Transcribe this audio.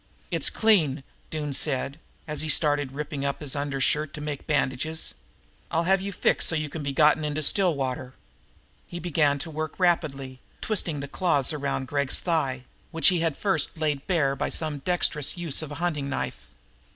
"It's clean," Doone said, as he started ripping up his undershirt to make bandages. "I'll have you fixed so you can be gotten into Stillwater." He began to work rapidly, twisting the clothes around Gregg's thigh, which he had first laid bare by some dexterous use of a hunting knife.